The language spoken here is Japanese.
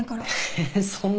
ええそんな。